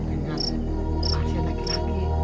dengan pasien laki laki